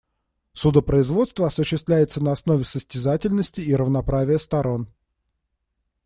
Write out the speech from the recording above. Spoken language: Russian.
Судопроизводство осуществляется на основе состязательности и равноправия сторон.